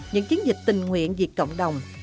những chiến dịch tình nguyện vì cộng đồng